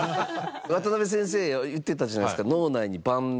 渡辺先生が言ってたじゃないですか。